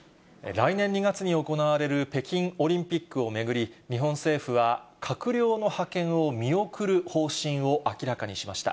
来年２月に行われる北京オリンピックを巡り、日本政府は、閣僚の派遣を見送る方針を明らかにしました。